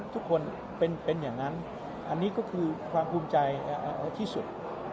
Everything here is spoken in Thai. ทุกคนเป็นอย่างนั้นอันนี้ก็คือความภูมิใจที่สุด